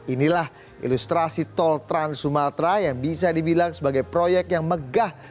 inilah ilustrasi tol trans sumatra yang bisa dibilang sebagai proyek yang megah